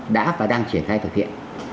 đã và đang triển khai thực hiện